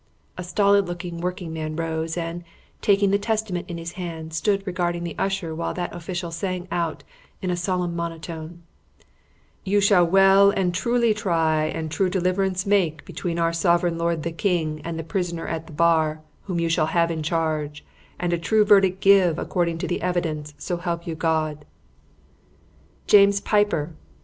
A stolid looking working man rose and, taking the Testament in his hand, stood regarding the usher while that official sang out in a solemn monotone "You shall well and truly try and true deliverance make between our Sovereign Lord the King and the prisoner at the bar, whom you shall have in charge, and a true verdict give according to the evidence. So help you God!" "James Piper!"